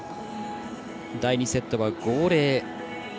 第２セットは５−０。